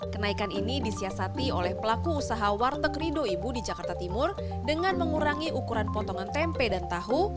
kenaikan ini disiasati oleh pelaku usaha warteg rido ibu di jakarta timur dengan mengurangi ukuran potongan tempe dan tahu